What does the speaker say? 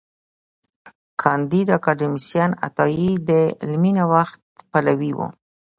کانديد اکاډميسن عطايي د علمي نوښت پلوي و.